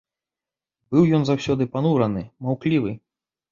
Быў ён заўсёды панураны, маўклівы.